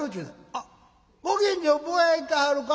「あっご近所ぼやいたはるか？」。